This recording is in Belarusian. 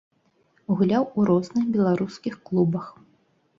Гуляў у розных беларускіх клубах.